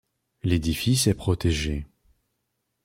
L'édifice est protégé.